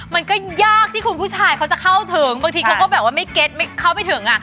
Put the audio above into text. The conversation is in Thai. มันก็ยากที่คุณผู้ชายเขาจะเข้าถึงบางทีเขาก็แบบว่าไม่เก็ตไม่เข้าไปถึงอ่ะ